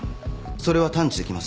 それは探知できません。